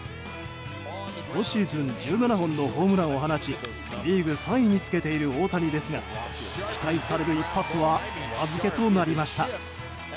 今シーズン１７本のホームランを放ちリーグ３位につけている大谷ですが、期待される一発はお預けとなりました。